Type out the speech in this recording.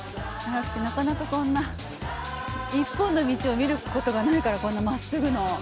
なかなかこんな１本の道を見ることがないから、こんな真っすぐの。